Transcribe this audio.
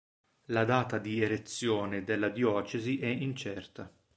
La data di erezione della diocesi è incerta.